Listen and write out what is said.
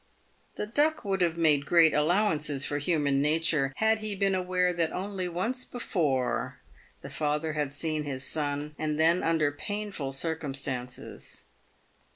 The Duck would have made great allowances for human nature had he been aware that only once before the father had seen his son, and then under painful circumstances.